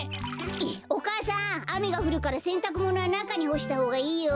お母さんあめがふるからせんたくものはなかにほしたほうがいいよ。